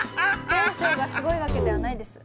店長がすごいわけではないです。